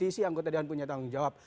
politisi anggota daerah punya tanggung jawab